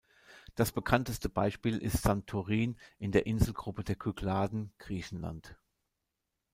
Das bekannteste Beispiel ist Santorin in der Inselgruppe der Kykladen, Griechenland.